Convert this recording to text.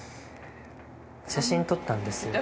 写真撮ったんです？